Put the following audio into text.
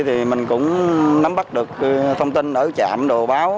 thì mình cũng nắm bắt được thông tin ở trạm đồ báo